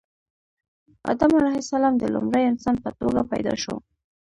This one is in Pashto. آدم علیه السلام د لومړي انسان په توګه پیدا شو